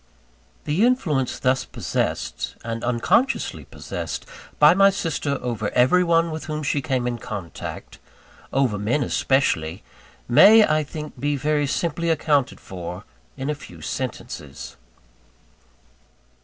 The influence thus possessed, and unconsciously possessed, by my sister over every one with whom she came in contact over men especially may, I think be very simply accounted for, in very few sentences.